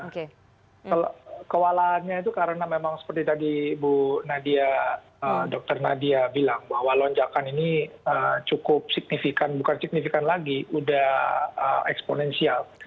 kewalahannya itu karena memang seperti tadi bu nadia dr nadia bilang bahwa lonjakan ini cukup signifikan bukan signifikan lagi udah eksponensial